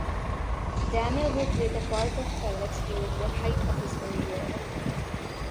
Daniel will play the part of Felix during the height of his career.